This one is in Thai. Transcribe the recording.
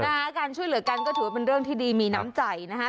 การช่วยเหลือกันก็ถือว่าเป็นเรื่องที่ดีมีน้ำใจนะฮะ